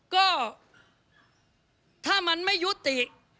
ก็ถ้ามันไม่ยุติ